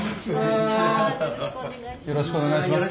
よろしくお願いします。